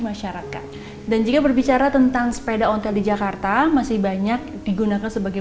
masyarakat dan jika berbicara tentang sepeda ontel di jakarta masih banyak digunakan sebagai